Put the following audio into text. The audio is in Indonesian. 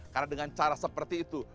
karena dengan cara seperti itu